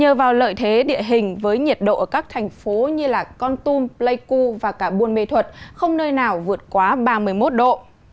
hình với nhiệt độ ở các thành phố như con tum pleiku và cả buôn mê thuật không nơi nào vượt quá ba mươi một độ